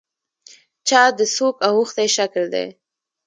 چا د څوک اوښتي شکل دی.